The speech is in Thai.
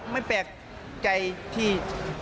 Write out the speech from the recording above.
ไม่แปลกใจที่